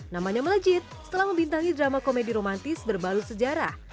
namanya melejit setelah membintangi drama komedi romantis berbalut sejarah